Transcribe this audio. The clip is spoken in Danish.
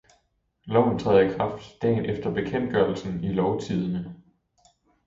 Loven træder i kraft dagen efter bekendtgørelsen i Lovtidende.